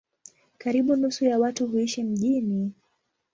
Karibu nusu ya watu huishi mijini.